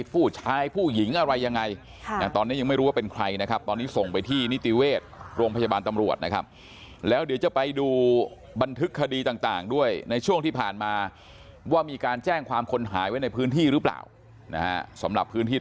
ผู้ชายผู้หญิงอะไรยังไงตอนนี้ยังไม่รู้ว่าเป็นใครนะครับ